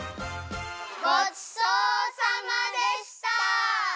ごちそうさまでした！